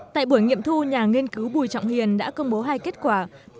tại buổi nghiệm thu nhà nghiên cứu bùi trọng hiền đã công bố hai kết quả